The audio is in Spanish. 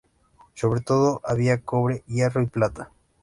Sobre todo había cobre, hierro y plata.